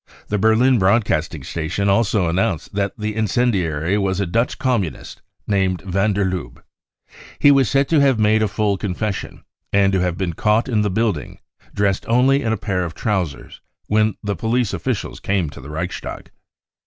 The Berlin broadcasting station also announced that the incendiary was a Dutch Communist named Van der Lubbe. He was said to have made a full confession, and to have been caught in the building, dressed only in a pair of trousers, when the police ©fficials came to the Reichstag.